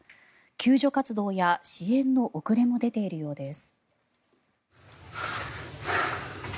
救助活動や支援の遅れも出ているようです。